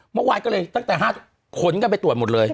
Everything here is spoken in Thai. เมื่อวานก็เลยตั้งแต่๕ขนกันไปตรวจหมดเลย